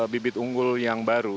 bibit unggul yang baru